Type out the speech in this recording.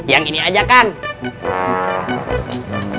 yang ini aja kang